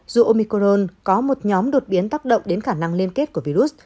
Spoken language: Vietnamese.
dù omicron có một nhóm đột biến tác động đến khả năng liên kết của virus